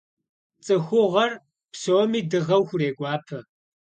ЦӀыхугъэр псоми дыгъэу хурегуапэ.